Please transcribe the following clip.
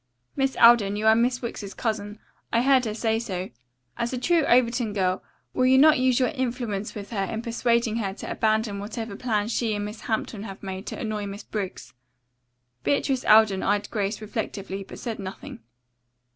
Miss Alden, you are Miss Wicks's cousin. I heard her say so. As a true Overton girl, will you not use your influence with her in persuading her to abandon whatever plan she and Miss Hampton have made to annoy Miss Briggs?" Beatrice Alden eyed Grace reflectively but said nothing.